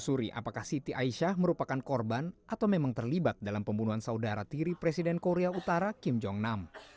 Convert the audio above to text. suri apakah siti aisyah merupakan korban atau memang terlibat dalam pembunuhan saudara tiri presiden korea utara kim jong nam